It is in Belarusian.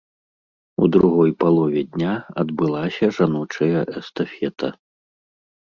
У другой палове дня адбылася жаночая эстафета.